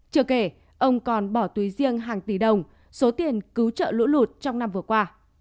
chưa kể ông còn bỏ túi riêng hàng tỷ đồng số tiền cứu trợ lũ lụt trong năm vừa qua